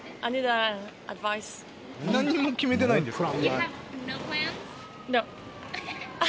何にも決めてないんですか？